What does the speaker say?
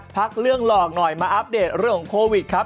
พักเรื่องหลอกหน่อยมาอัปเดตเรื่องของโควิดครับ